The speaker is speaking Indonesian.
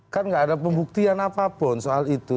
kan nggak ada pembuktian apapun soal itu